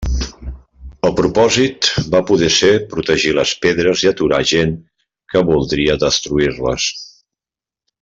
El propòsit va poder ser protegir les pedres i aturar gent que voldria destruir-les.